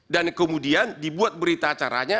dan kemudian dibuat berita acaranya